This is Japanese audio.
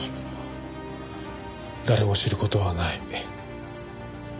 誰も知る事はない。